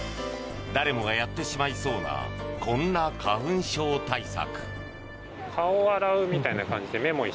誰もがやってしまいそうなこんな花粉症対策。